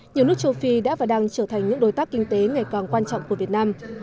nhiều nước châu phi đã và đang trở thành những đối tác kinh tế ngày càng quan trọng của việt nam